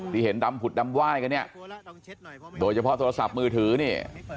ที่เห็นดำผุดดำไหว้กันเนี่ยโดยเฉพาะโทรศัพท์มือถือนี่